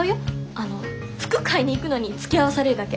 あの服買いに行くのにつきあわされるだけ。